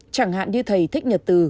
chẳng hạn như thầy thích nhật từ